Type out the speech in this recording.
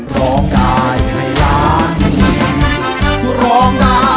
ร้องได้ให้ล้าน